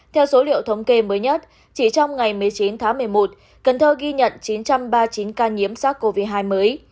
theo số liệu thống kê mới nhất chỉ trong ngày một mươi chín tháng một mươi một cần thơ ghi nhận chín trăm ba mươi chín ca nhiễm sars cov hai mới